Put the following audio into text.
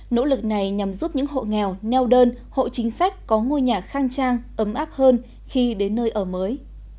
nỗ lực này nhằm giúp những hộ nghèo neo đơn hộ chính sách có ngôi nhà khang trang ấm áp hơn khi đến nơi ở mới